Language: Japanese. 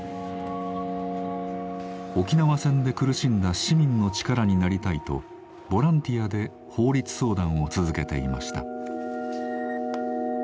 沖縄戦で苦しんだ市民の力になりたいとボランティアで法律相談を続けていました。